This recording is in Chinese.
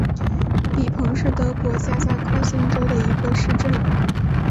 比彭是德国下萨克森州的一个市镇。